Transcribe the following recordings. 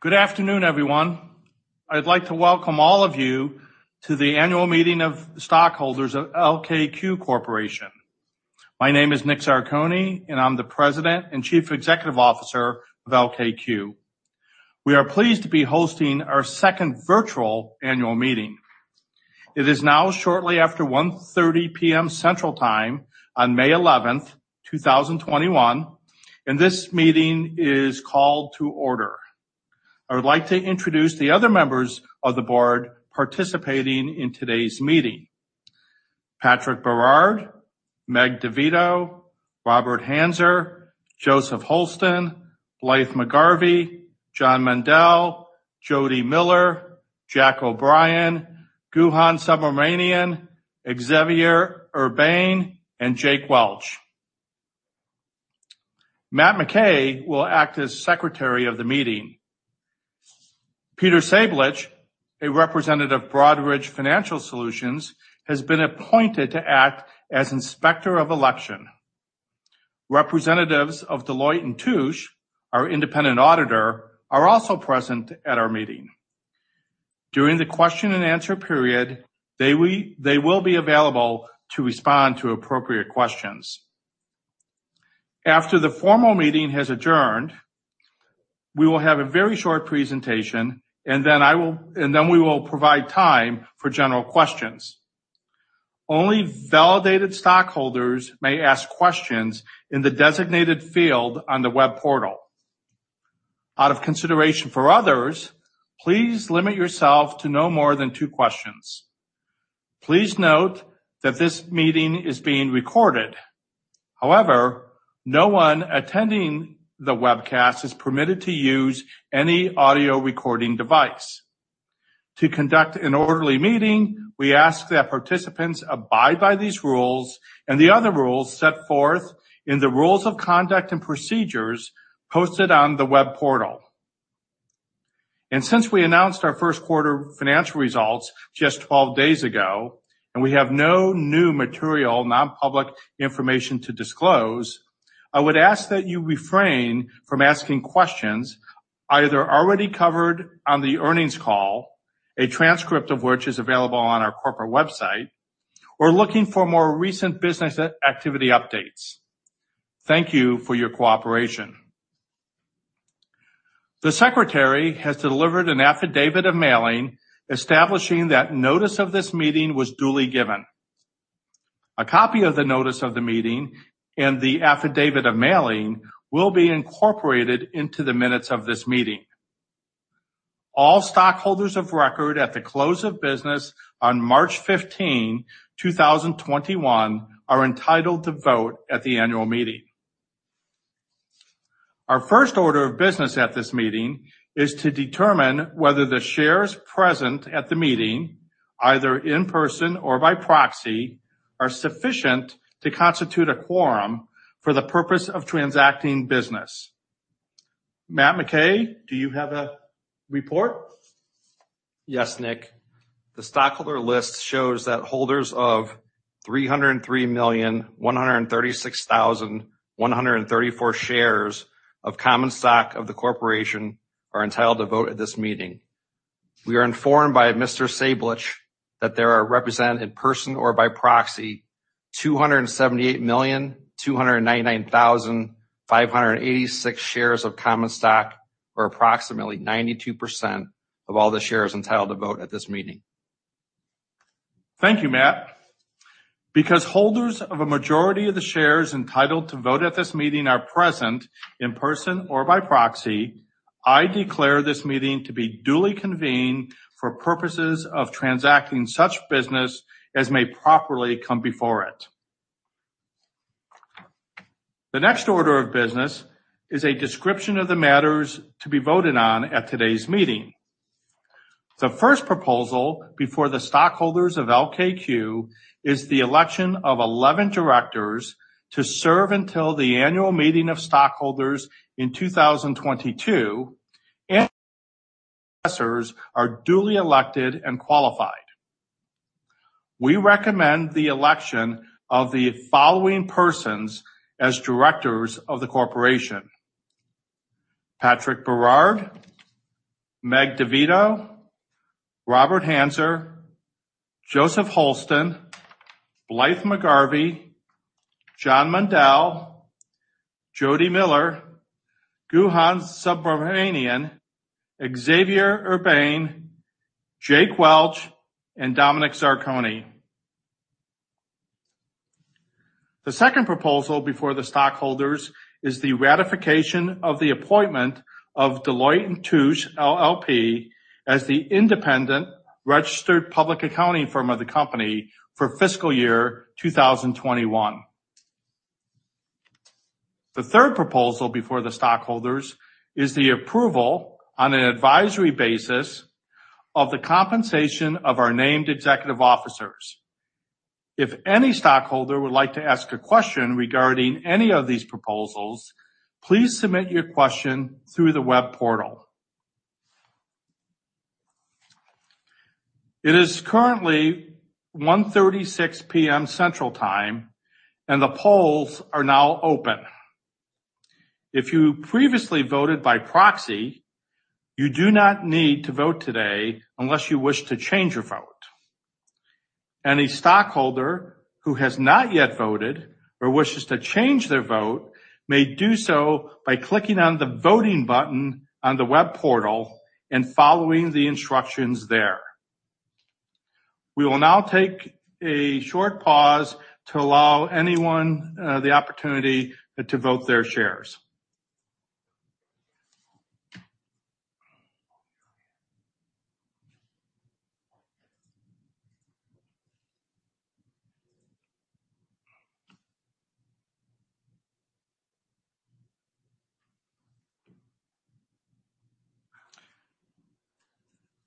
Good afternoon, everyone. I'd like to welcome all of you to the annual meeting of stockholders of LKQ Corporation. My name is Nick Zarcone, and I'm the President and Chief Executive Officer of LKQ. We are pleased to be hosting our second virtual annual meeting. It is now shortly after 1:30 P.M. Central Time on May 11th, 2021, and this meeting is called to order. I would like to introduce the other members of the board participating in today's meeting. Patrick Berard, Meg Divitto, Robert Hanser, Joseph Holsten, Blythe McGarvie, John Mendel, Jody Miller, John F. O'Brien, Guhan Subramanian, Xavier Urbain, and Jacob Welch. Matt J. McKay will act as Secretary of the meeting. Peter Sablich, a representative of Broadridge Financial Solutions, has been appointed to act as Inspector of Election. Representatives of Deloitte & Touche, our independent auditor, are also present at our meeting. During the question and answer period, they will be available to respond to appropriate questions. After the formal meeting has adjourned, we will have a very short presentation, and then we will provide time for general questions. Only validated stockholders may ask questions in the designated field on the web portal. Out of consideration for others, please limit yourself to no more than two questions. Please note that this meeting is being recorded. However, no one attending the webcast is permitted to use any audio recording device. To conduct an orderly meeting, we ask that participants abide by these rules and the other rules set forth in the rules of conduct and procedures posted on the web portal. Since we announced our first quarter financial results just 12 days ago, and we have no new material, non-public information to disclose, I would ask that you refrain from asking questions either already covered on the earnings call, a transcript of which is available on our corporate website, or looking for more recent business activity updates. Thank you for your cooperation. The Secretary has delivered an affidavit of mailing establishing that notice of this meeting was duly given. A copy of the notice of the meeting and the affidavit of mailing will be incorporated into the minutes of this meeting. All stockholders of record at the close of business on March 15, 2021, are entitled to vote at the annual meeting. Our first order of business at this meeting is to determine whether the shares present at the meeting, either in person or by proxy, are sufficient to constitute a quorum for the purpose of transacting business. Matt McKay, do you have a report? Yes, Nick. The stockholder list shows that holders of 303,136,134 shares of common stock of the corporation are entitled to vote at this meeting. We are informed by Mr. Sablich that there are represented in person or by proxy 278,299,586 shares of common stock, or approximately 92% of all the shares entitled to vote at this meeting. Thank you, Matt. Because holders of a majority of the shares entitled to vote at this meeting are present in person or by proxy, I declare this meeting to be duly convened for purposes of transacting such business as may properly come before it. The next order of business is a description of the matters to be voted on at today's meeting. The first proposal before the stockholders of LKQ is the election of 11 directors to serve until the annual meeting of stockholders in 2022, and are duly elected and qualified. We recommend the election of the following persons as directors of the corporation. Patrick Berard, Meg Divitto, Robert Hanser, Joseph Holsten, Blythe McGarvie, John Mendel, Jody Miller, Guhan Subramanian, Xavier Urbain, Jake Welch, and Dominick Zarcone. The second proposal before the stockholders is the ratification of the appointment of Deloitte & Touche LLP as the independent registered public accounting firm of the company for fiscal year 2021. The third proposal before the stockholders is the approval on an advisory basis of the compensation of our named executive officers. If any stockholder would like to ask a question regarding any of these proposals, please submit your question through the web portal. It is currently 1:36 P.M. Central Time, and the polls are now open. If you previously voted by proxy, you do not need to vote today unless you wish to change your vote. Any stockholder who has not yet voted or wishes to change their vote may do so by clicking on the voting button on the web portal and following the instructions there. We will now take a short pause to allow anyone the opportunity to vote their shares.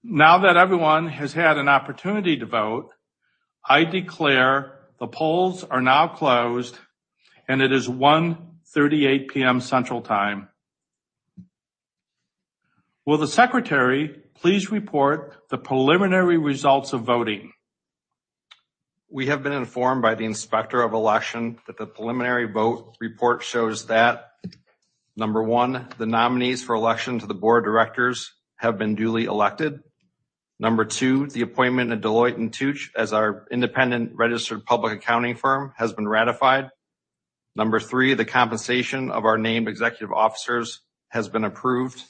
Now that everyone has had an opportunity to vote, I declare the polls are now closed, and it is 1:38 P.M. Central Time. Will the Secretary please report the preliminary results of voting? We have been informed by the Inspector of Election that the preliminary vote report shows that, number one, the nominees for election to the board of directors have been duly elected. Number two, the appointment of Deloitte & Touche as our independent registered public accounting firm has been ratified. Number three, the compensation of our named executive officers has been approved.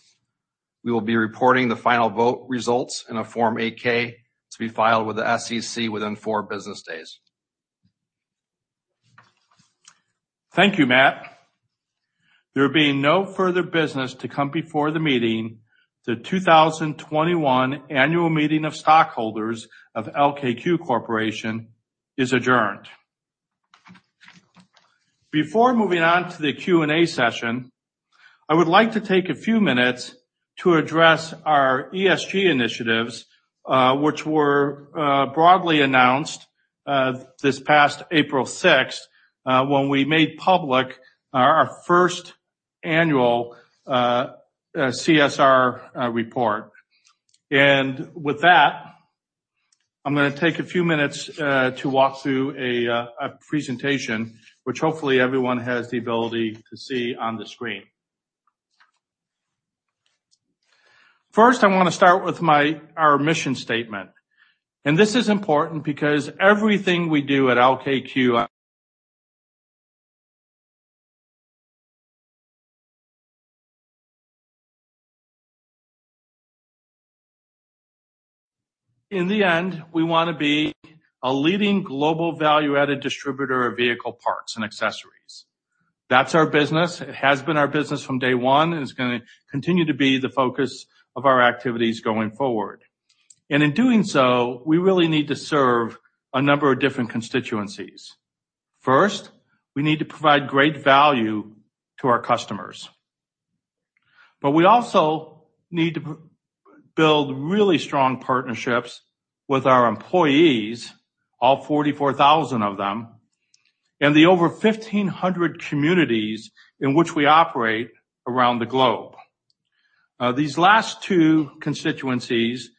We will be reporting the final vote results in a Form 8-K to be filed with the SEC within four business days. Thank you, Matt. There being no further business to come before the meeting, the 2021 annual meeting of stockholders of LKQ Corporation is adjourned. Before moving on to the Q&A session, I would like to take a few minutes to address our ESG initiatives, which were broadly announced this past April 6th, when we made public our first annual CSR report. With that, I'm going to take a few minutes to walk through a presentation, which hopefully everyone has the ability to see on the screen. First, I want to start with our mission statement. This is important because everything we do at LKQ In the end, we want to be a leading global value-added distributor of vehicle parts and accessories. That's our business. It has been our business from day one, and it's going to continue to be the focus of our activities going forward. In doing so, we really need to serve a number of different constituencies. First, we need to provide great value to our customers. We also need to build really strong partnerships with our employees, all 44,000 of them, and the over 1,500 communities in which we operate around the globe. These last two constituencies,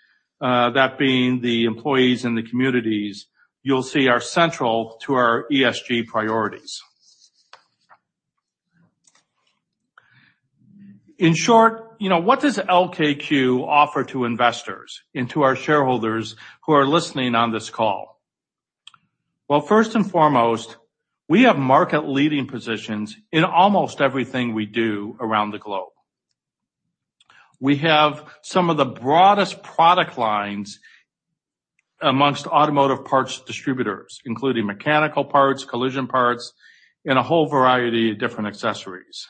that being the employees and the communities, you'll see are central to our ESG priorities. In short, what does LKQ offer to investors and to our shareholders who are listening on this call? Well, first and foremost, we have market-leading positions in almost everything we do around the globe. We have some of the broadest product lines amongst automotive parts distributors, including mechanical parts, collision parts, and a whole variety of different accessories.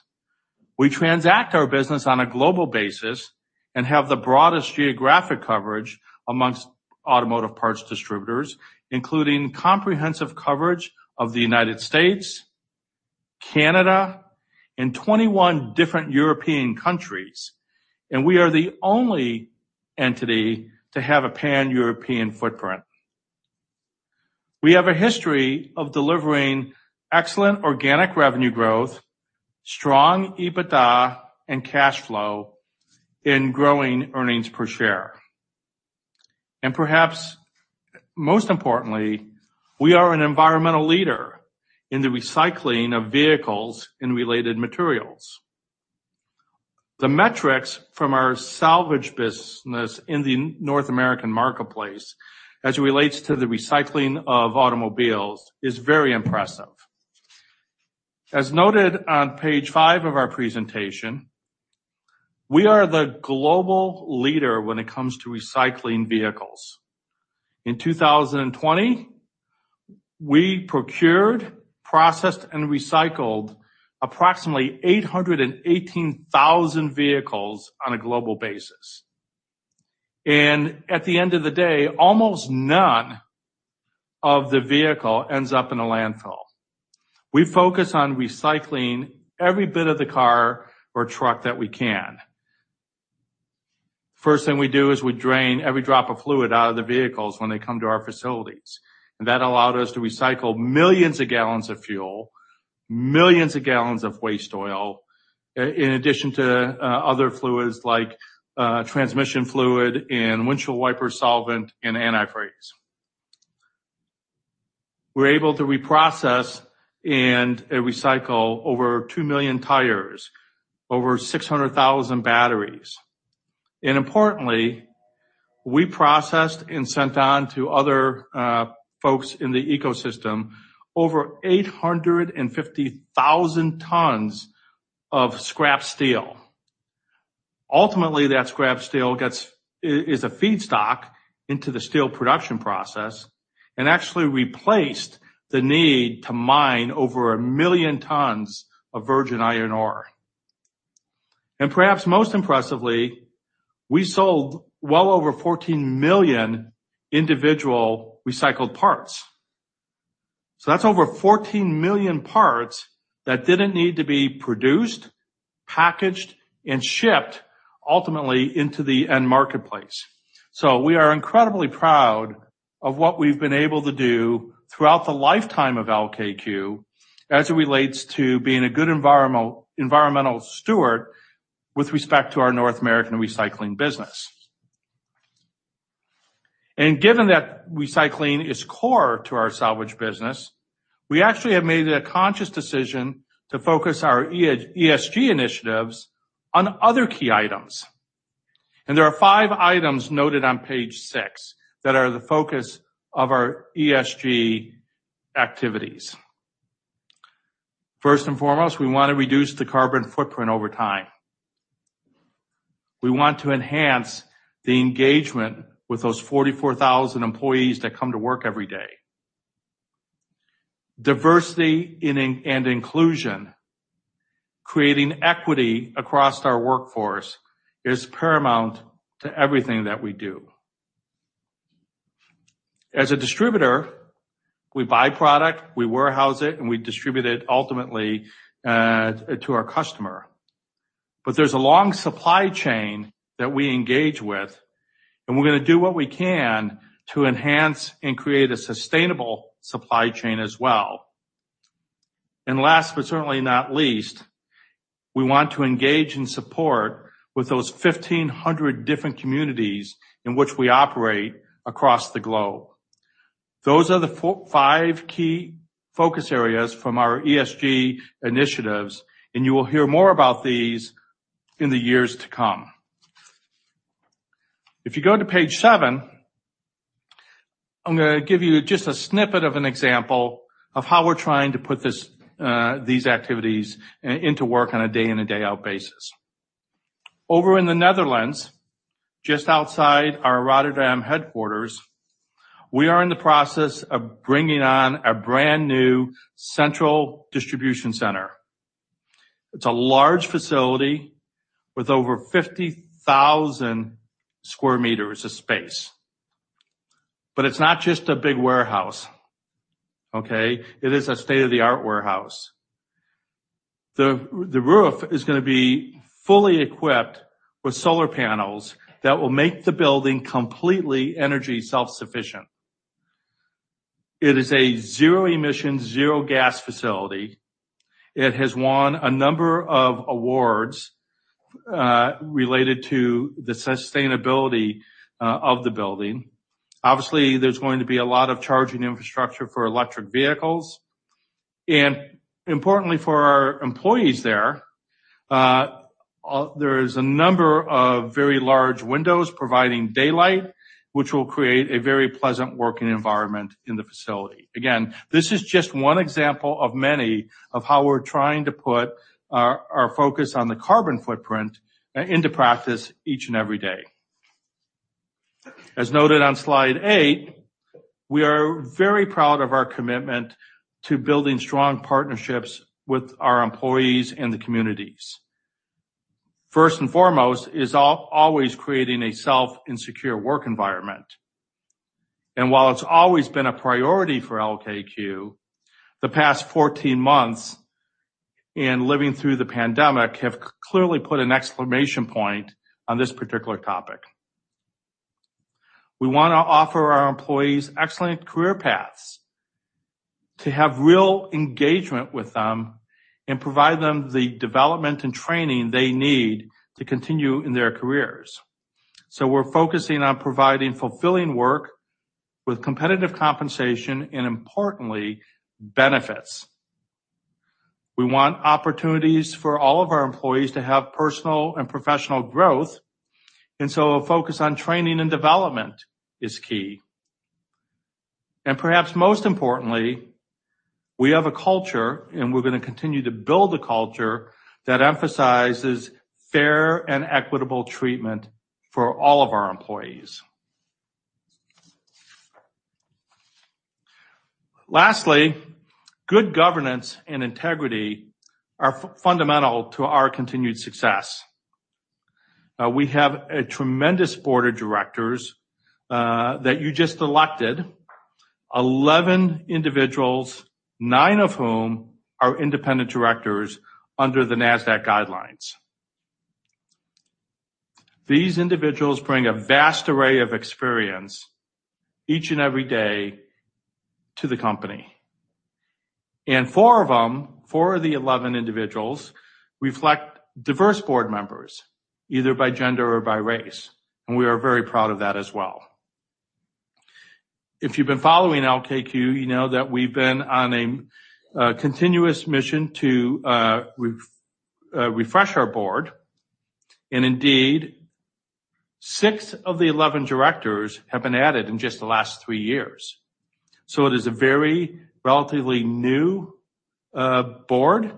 We transact our business on a global basis and have the broadest geographic coverage amongst automotive parts distributors, including comprehensive coverage of the United States, Canada, and 21 different European countries, and we are the only entity to have a pan-European footprint. We have a history of delivering excellent organic revenue growth, strong EBITDA and cash flow, and growing earnings per share. Perhaps most importantly, we are an environmental leader in the recycling of vehicles and related materials. The metrics from our salvage business in the North American marketplace as it relates to the recycling of automobiles is very impressive. As noted on page five of our presentation, we are the global leader when it comes to recycling vehicles. In 2020, we procured, processed, and recycled approximately 818,000 vehicles on a global basis. At the end of the day, almost none of the vehicle ends up in a landfill. We focus on recycling every bit of the car or truck that we can. First thing we do is we drain every drop of fluid out of the vehicles when they come to our facilities. That allowed us to recycle millions of gallons of fuel, millions of gallons of waste oil. In addition to other fluids like transmission fluid and windshield wiper solvent and antifreeze. We're able to reprocess and recycle over 2 million tires, over 600,000 batteries. Importantly, we processed and sent on to other folks in the ecosystem over 850,000 tons of scrap steel. Ultimately, that scrap steel is a feedstock into the steel production process and actually replaced the need to mine over 1 million tons of virgin iron ore. Perhaps most impressively, we sold well over 14 million individual recycled parts. That's over 14 million parts that didn't need to be produced, packaged, and shipped ultimately into the end marketplace. We are incredibly proud of what we've been able to do throughout the lifetime of LKQ as it relates to being a good environmental steward with respect to our North American recycling business. Given that recycling is core to our salvage business, we actually have made a conscious decision to focus our ESG initiatives on other key items. There are five items noted on page six that are the focus of our ESG activities. First and foremost, we want to reduce the carbon footprint over time. We want to enhance the engagement with those 44,000 employees that come to work every day. Diversity and inclusion, creating equity across our workforce is paramount to everything that we do. As a distributor, we buy product, we warehouse it, and we distribute it ultimately to our customer. There's a long supply chain that we engage with, and we're going to do what we can to enhance and create a sustainable supply chain as well. Last, but certainly not least, we want to engage and support with those 1,500 different communities in which we operate across the globe. Those are the five key focus areas from our ESG initiatives, and you will hear more about these in the years to come. If you go to page seven, I'm going to give you just a snippet of an example of how we're trying to put these activities into work on a day in and day out basis. Over in the Netherlands, just outside our Rotterdam headquarters, we are in the process of bringing on a brand-new central distribution center. It's a large facility with over 50,000 sq m of space. It's not just a big warehouse. Okay? It is a state-of-the-art warehouse. The roof is going to be fully equipped with solar panels that will make the building completely energy self-sufficient. It is a zero-emission, zero-gas facility. It has won a number of awards related to the sustainability of the building. Obviously, there's going to be a lot of charging infrastructure for electric vehicles. Importantly for our employees there is a number of very large windows providing daylight, which will create a very pleasant working environment in the facility. Again, this is just one example of many of how we're trying to put our focus on the carbon footprint into practice each and every day. As noted on slide eight, we are very proud of our commitment to building strong partnerships with our employees and the communities. First and foremost is always creating a safe and secure work environment. While it's always been a priority for LKQ, the past 14 months and living through the pandemic have clearly put an exclamation point on this particular topic. We want to offer our employees excellent career paths to have real engagement with them and provide them the development and training they need to continue in their careers. We're focusing on providing fulfilling work with competitive compensation and, importantly, benefits. We want opportunities for all of our employees to have personal and professional growth, a focus on training and development is key. Perhaps most importantly, we have a culture, and we're going to continue to build a culture that emphasizes fair and equitable treatment for all of our employees. Lastly, good governance and integrity are fundamental to our continued success. We have a tremendous board of directors that you just elected, 11 individuals, nine of whom are independent directors under the NASDAQ guidelines. These individuals bring a vast array of experience each and every day to the company. Four of them, four of the 11 individuals, reflect diverse board members, either by gender or by race, and we are very proud of that as well. If you've been following LKQ, you know that we've been on a continuous mission to refresh our board. Indeed, six of the 11 directors have been added in just the last three years. It is a very relatively new board.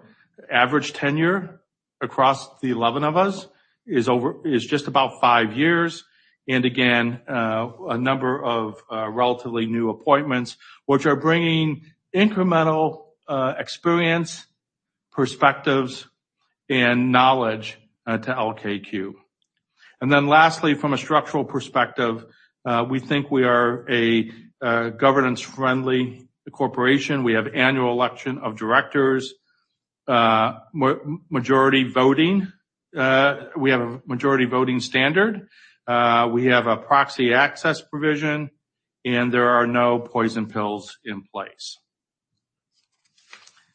Average tenure across the 11 of us is just about five years. Again, a number of relatively new appointments, which are bringing incremental experience, perspectives, and knowledge to LKQ. Lastly, from a structural perspective, we think we are a governance-friendly corporation. We have annual election of directors, majority voting. We have a majority voting standard. We have a proxy access provision. There are no poison pills in place.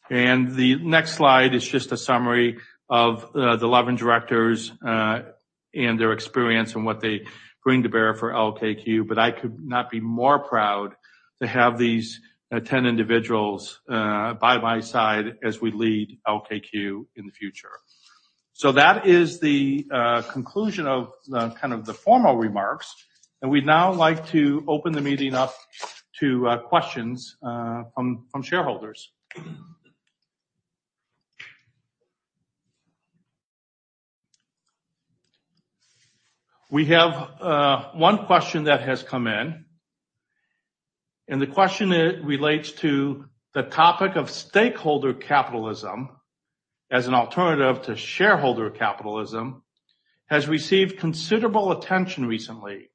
The next slide is just a summary of the 11 directors, their experience, and what they bring to bear for LKQ. I could not be more proud to have these 10 individuals by my side as we lead LKQ in the future. That is the conclusion of the formal remarks, and we'd now like to open the meeting up to questions from shareholders. We have one question that has come in, and the question relates to the topic of stakeholder capitalism as an alternative to shareholder capitalism, has received considerable attention recently.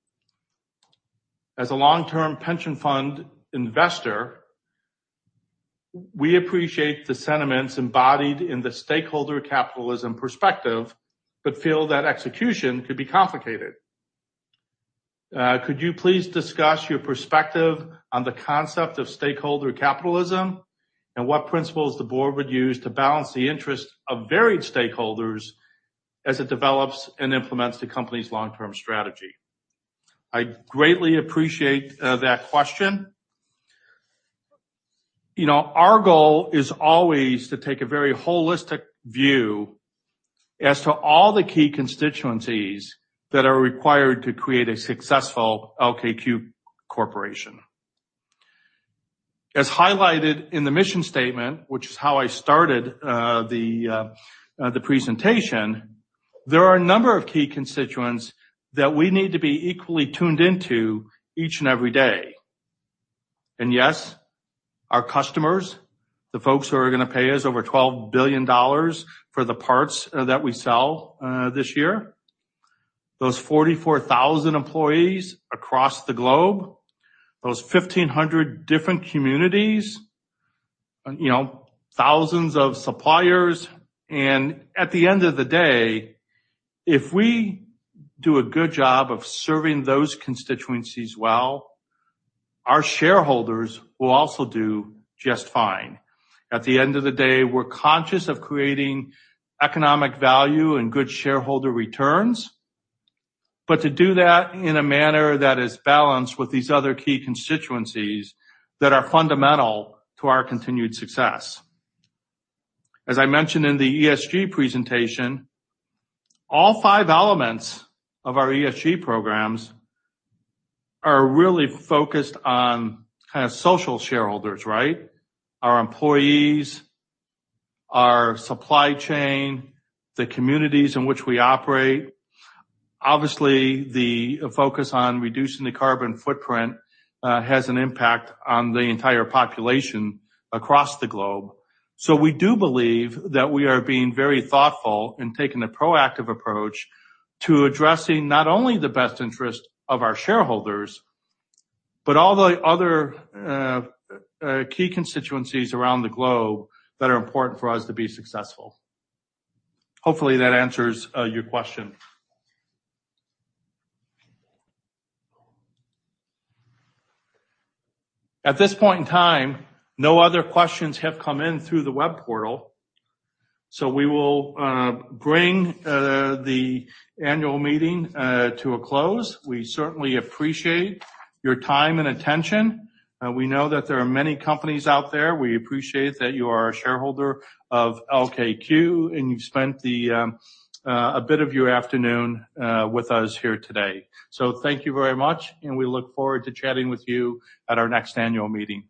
As a long-term pension fund investor, we appreciate the sentiments embodied in the stakeholder capitalism perspective, but feel that execution could be complicated. Could you please discuss your perspective on the concept of stakeholder capitalism and what principles the board would use to balance the interest of varied stakeholders as it develops and implements the company's long-term strategy? I greatly appreciate that question. Our goal is always to take a very holistic view as to all the key constituencies that are required to create a successful LKQ Corporation. As highlighted in the mission statement, which is how I started the presentation, there are a number of key constituents that we need to be equally tuned into each and every day. Yes, our customers, the folks who are going to pay us over $12 billion for the parts that we sell this year, those 44,000 employees across the globe, those 1,500 different communities, thousands of suppliers. At the end of the day, if we do a good job of serving those constituencies well, our shareholders will also do just fine. At the end of the day, we're conscious of creating economic value and good shareholder returns, but to do that in a manner that is balanced with these other key constituencies that are fundamental to our continued success. As I mentioned in the ESG presentation, all five elements of our ESG programs are really focused on social shareholders, right? Our employees, our supply chain, the communities in which we operate. Obviously, the focus on reducing the carbon footprint has an impact on the entire population across the globe. We do believe that we are being very thoughtful in taking a proactive approach to addressing not only the best interest of our shareholders, but all the other key constituencies around the globe that are important for us to be successful. Hopefully, that answers your question. At this point in time, no other questions have come in through the web portal, so we will bring the annual meeting to a close. We certainly appreciate your time and attention. We know that there are many companies out there. We appreciate that you are a shareholder of LKQ, and you've spent a bit of your afternoon with us here today. Thank you very much, and we look forward to chatting with you at our next annual meeting.